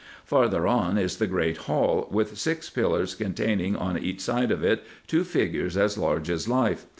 Farther on is the great hall with six pillars, containing on each side of it, two figures as large as life.